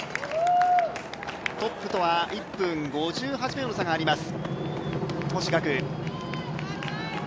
トップとは１分５８秒の差があります